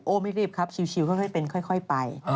ไม่รีบครับชิลค่อยเป็นค่อยไป